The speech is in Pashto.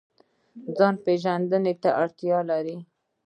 ځان پیژندنې ته اړتیا لري